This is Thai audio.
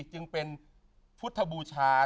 จึงเป็นพุทธบูชา